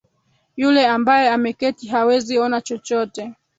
Yule ambaye ameketi hawezi ona chochote.